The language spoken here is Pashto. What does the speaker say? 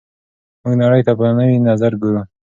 موږ نړۍ ته په نوي نظر ګورو.